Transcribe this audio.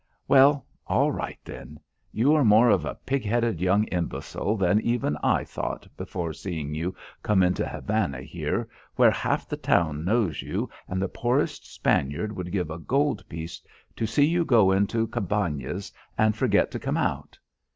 "Well all right then. You are more of a pig headed young imbecile than even I thought from seeing you come into Havana here where half the town knows you and the poorest Spaniard would give a gold piece to see you go into Cabanas and forget to come out.